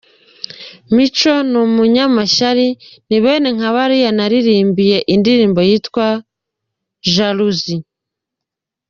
Mico ni umunyamashyari, ni bene nka bariya naririmbiye indirimbo yitwa Jalousie.